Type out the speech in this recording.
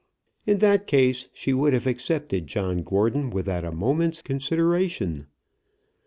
In that case she would have accepted John Gordon without a moment's consideration.